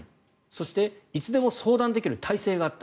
そして、いつでも相談できる体制があった。